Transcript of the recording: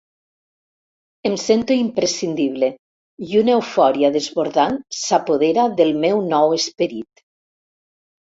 Em sento imprescindible i una eufòria desbordant s'apodera del meu nou esperit.